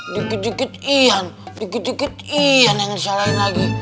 dikit dikit yan dikit dikit yan yang ngesalahin lagi